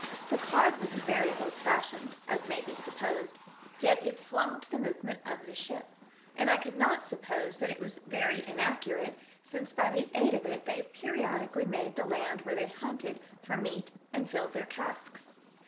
The card was very old fashioned, as may be supposed, yet it swung to the movement of the ship, and I could not suppose that it was very inaccurate since by the aid of it they periodi cally made the land where they hunted for meat and filled their casks.